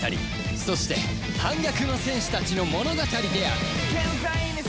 そして反逆の戦士たちの物語である